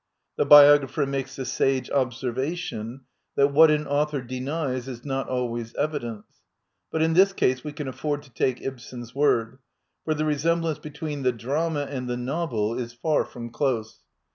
The biographer makes the sage ob servation that what an author denies is not always evidence," but in this case we can afford to take Ibsen's word, for the resemblance between the drama and the novel is far from close.